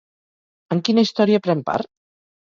En quina història pren part?